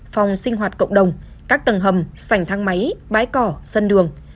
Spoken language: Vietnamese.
phòng sinh hoạt cộng đồng các tầng hầm sảnh thang máy cỏ sân đường